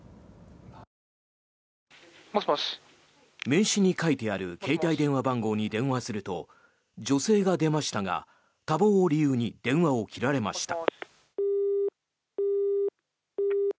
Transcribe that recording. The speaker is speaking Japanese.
名刺に書いてある携帯電話番号に電話すると女性が出ましたが、多忙を理由に電話を切られました。